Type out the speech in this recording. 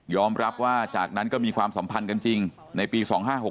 รับว่าจากนั้นก็มีความสัมพันธ์กันจริงในปี๒๕๖๖